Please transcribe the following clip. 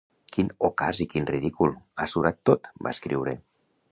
Quin ocàs i quin ridícul, ha surat tot, va escriure.